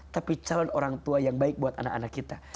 tapi calon orang tua yang baik buat anak anak kita